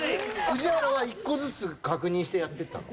宇治原は１個ずつ確認してやっていったの？